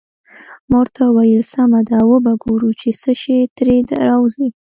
ما ورته وویل: سمه ده، وبه ګورو چې څه شي ترې راوزي.